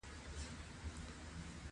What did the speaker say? مهاجرت دافغانانو دژوند برخه ګرځيدلې